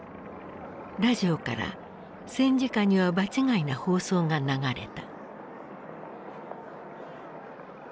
ラジオから戦時下には場違いな放送が流れた。